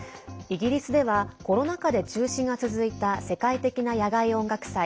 イギリスではコロナ禍で中止が続いた世界的な野外音楽祭